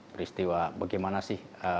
peristiwa bagaimana sih